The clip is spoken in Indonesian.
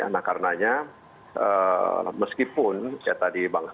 nah karenanya meskipun tadi bang saur